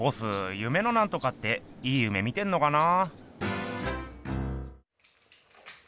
夢のなんとかっていい夢見てんのかな？